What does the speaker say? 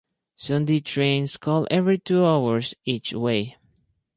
Sunday trains call every two hours each way.